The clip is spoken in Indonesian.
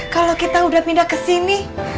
kalo kita udah pindah kesini